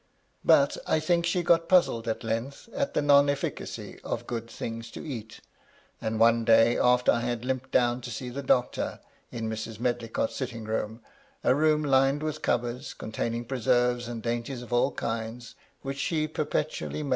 But, I think, she got puzzled at length at the non efficacy of good things to eat ; and one day, after I had limped down to see the doctor, in Mrs. Medlicott's sitting room — a room lined with cupboards, containing preserves and dainties of all kinds, which she perpetually MY LADY LUDLOW.